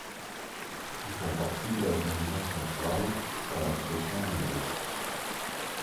Ils font partie de la division Centrale dans l'association de l'Ouest.